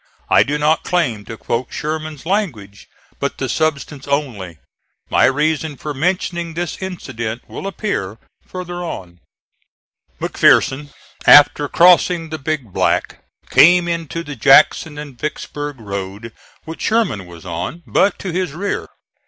I do not claim to quote Sherman's language; but the substance only. My reason for mentioning this incident will appear further on. McPherson, after crossing the Big Black, came into the Jackson and Vicksburg road which Sherman was on, but to his rear.